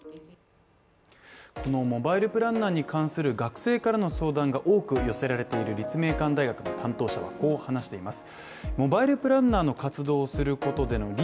このモバイルプランナーに関する学生からの相談が多く寄せられている立命館大学の担当者はこう話しています。